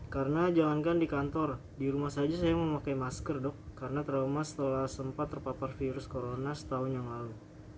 karena jangankan di kantor di rumah saja saya memakai masker dok karena trauma setelah sempat terpapar virus corona setahun yang lalu